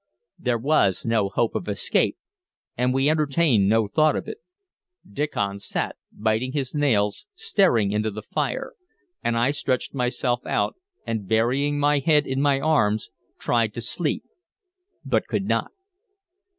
There was no hope of escape, and we entertained no thought of it. Diccon sat, biting his nails, staring into the fire, and I stretched myself out, and burying my head in my arms tried to sleep, but could not.